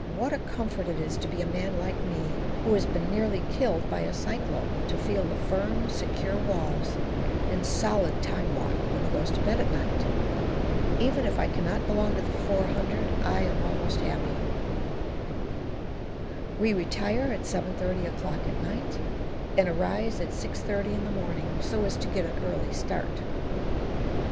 what a comfort it is to a man like me, who has been nearly killed by a cyclone, to feel the firm, secure walls and solid time lock when he goes to bed at night! Even if I can not belong to the 400, I am almost happy. We retire at 7:30 o'clock at night and arise at 6:30 in the morning, so as to get an early start.